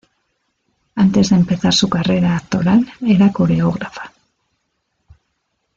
Antes de empezar su carrera actoral, era coreógrafa.